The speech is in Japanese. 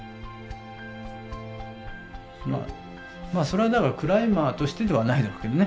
まあそれはだからクライマーとしてではないだろうけどね。